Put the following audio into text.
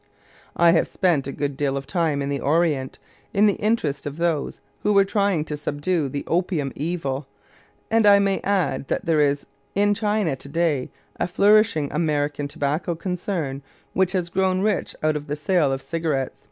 I have spent a good deal of time in the Orient in the interest of those who were trying to subdue the opium evil, and I may add that there is in China to day a flourishing American tobacco concern which has grown rich out of the sale of cigarettes.